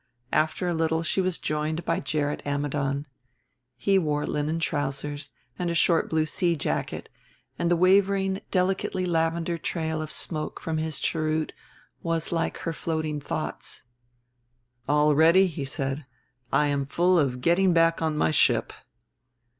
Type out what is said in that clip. After a little she was joined by Gerrit Ammidon. He wore linen trousers and a short blue sea jacket; and the wavering delicately lavender trail of smoke from his cheroot was like her floating thoughts. "Already," he said, "I am full of getting back on my ship."